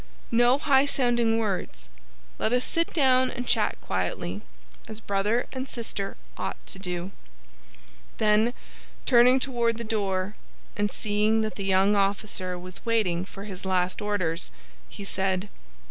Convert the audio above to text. "No high sounding words! Let us sit down and chat quietly, as brother and sister ought to do." Then, turning toward the door, and seeing that the young officer was waiting for his last orders, he said.